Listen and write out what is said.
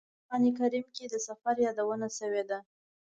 په قران کریم کې د سفر یادونه شوې ده.